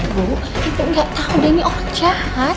bu ibu gak tau deh ini orang jahat